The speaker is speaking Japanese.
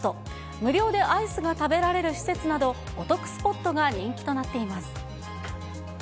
無料でアイスが食べられる施設など、お得スポットが人気となっています。